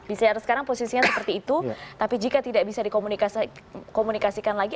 pcr sekarang posisinya seperti itu tapi jika tidak bisa dikomunikasikan lagi